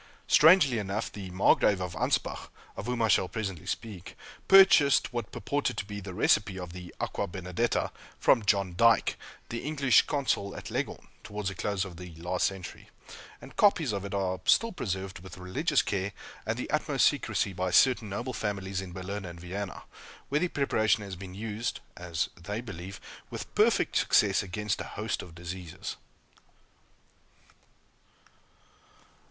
Strangely enough, the Margrave of Anspach, of whom I shall presently speak, purchased what purported to be the recipe of the "Aqua Benedetta," from John Dyke, the English Consul at Leghorn, towards the close of the last century; and copies of it are still preserved with religious care and the utmost secrecy by certain noble families in Berlin and Vienna, where the preparation has been used (as they believe) with perfect success against a host of diseases.